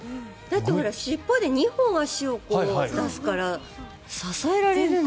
尻尾で２本、足を出すから支えられるんだ。